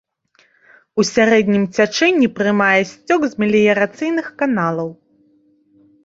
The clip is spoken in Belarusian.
У сярэднім цячэнні прымае сцёк з меліярацыйных каналаў.